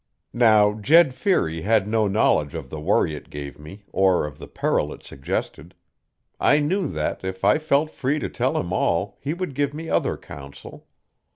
Now Jed Feary had no knowledge of the worry it gave me, or of the peril it suggested. I knew that, if I felt free to tell him all, he would give me other counsel.